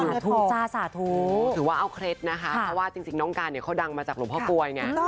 สาธุจ้าสาธุถือว่าเอาเคล็ดนะคะเพราะว่าจริงน้องการเนี่ยเขาดังมาจากหลวงพ่อกลวยไง